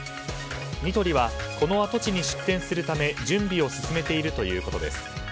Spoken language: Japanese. ニトリはこの跡地に出店するため準備を進めているということです。